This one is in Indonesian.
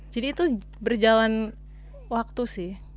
jadi itu berjalan waktu sih